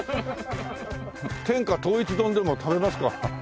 天下統一丼でも食べますか？